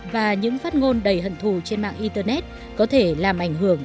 và những phát ngôn đầy hận thù trên mạng internet có thể làm ảnh hưởng